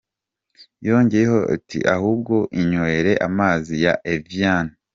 Yongeyeho ati "Ahubwo inywere amazi ya Evian".